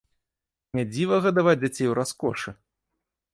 Не дзіва гадаваць дзяцей у раскошы!